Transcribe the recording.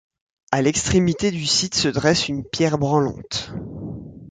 À l'extrémité du site se dresse une pierre branlante.